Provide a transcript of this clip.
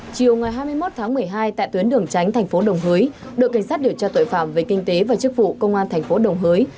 chiều ngày hai mươi một tháng một mươi hai tại tuyến đường tránh thành phố đồng hới đội cảnh sát điều tra tội phạm về kinh tế và chức vụ công an thành phố đồng hới